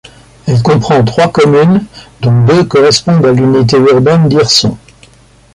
Elle comprend trois communes, dont deux correspondent à l'unité urbaine d'Hirson.